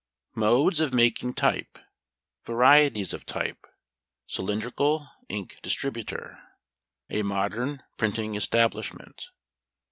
Modes of making Type. Varieties of Type. Cylindrical Ink distributor. A Modern Printing Establishment.